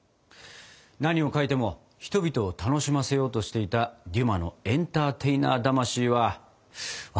何を書いても人々を楽しませようとしていたデュマのエンターテイナー魂は分かる気がするな。